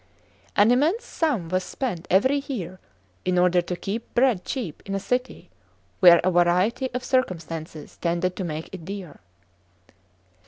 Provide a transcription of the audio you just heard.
An immense sum was si ent every year in order " to keep bread cheap in a city where a variety of circumstances tended to make it dear.